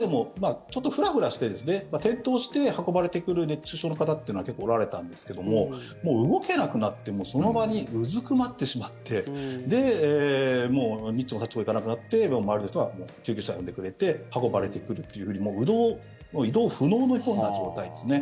そうすると予想以上に暑くて今年は、僕はでもちょっとフラフラして、転倒して運ばれてくる熱中症の方というのは結構おられたんですがもう動けなくなってその場にうずくまってしまってで、もうにっちもさっちもいかなくなって周りの人が救急車を呼んでくれて運ばれてくるというふうに移動不能のような状態ですね。